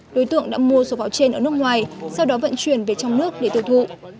đối tượng đã mua sổ vào trên ở nước ngoài sau đó vận chuyển về trong nước để tự vụ